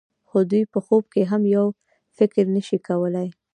خو دوی په خوب کې هم یو فکر نشي کولای.